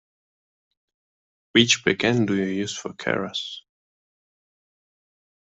Which backend do you use for Keras?